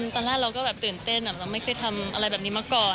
ตอนแรกเราก็แบบตื่นเต้นเราไม่เคยทำอะไรแบบนี้มาก่อน